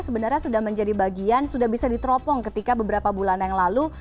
sebenarnya sudah menjadi bagian sudah bisa diteropong ketika beberapa bulan yang lalu